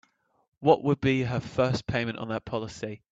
What would be her first payment on that policy?